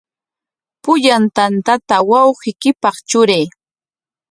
Pullan tantata wawqiykipaq truray.